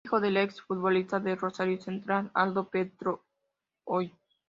Es hijo del ex-futbolista de Rosario Central, Aldo Pedro Poy.